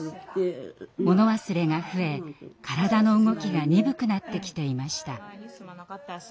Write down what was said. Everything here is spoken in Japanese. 物忘れが増え体の動きが鈍くなってきていました。